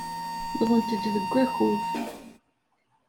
Wwḍent-d deg wakud.